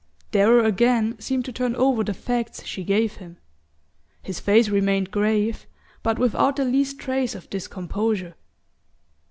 Darrow again seemed to turn over the facts she gave him. His face remained grave, but without the least trace of discomposure.